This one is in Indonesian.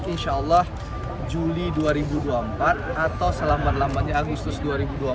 insya allah juli dua ribu dua puluh empat atau selama lamanya agustus dua ribu dua puluh empat